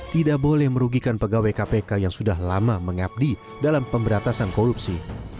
tidak boleh merugikan pegawai kpk yang sudah lama mengabdi dalam pemberantasan korupsi